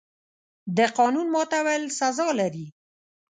د قانون ماتول سزا لري.